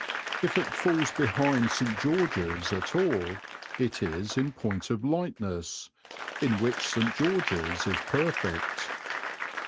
If it falls behind St. George's at all, it is in point of lightness, in which St. George's is perfect.